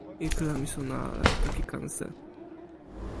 ike la mi sona ala e toki Kanse.